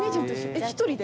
１人で？